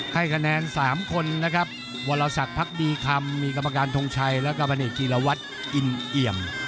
ให้คะแนน๓คนนะครับวรสักพักดีคำมีกรรมการทงชัยแล้วก็พันเอกจีรวัตรอินเอี่ยม